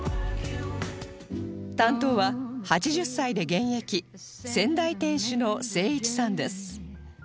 担当は８０歳で現役先代店主の精一さんです